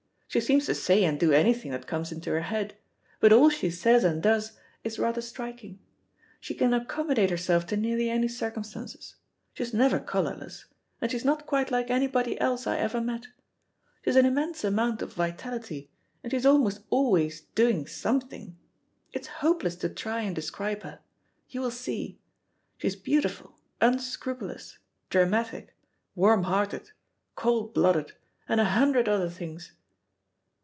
She seems to say and do anything that comes into her head, but all she says and does is rather striking. She can accommodate herself to nearly any circumstances. She is never colourless; and she is not quite like anybody else I ever met. She has an immense amount of vitality, and she is almost always doing something. It's hopeless to try and describe her; you will see. She is beautiful, unscrupulous, dramatic, warm hearted, cold blooded, and a hundred other things."